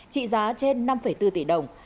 trị giá trên năm bốn tỷ đồng